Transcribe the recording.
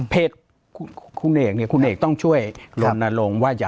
ปากกับภาคภูมิ